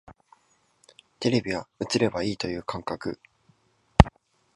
テレビは映ればいいという感覚